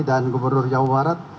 dan gubernur jawa barat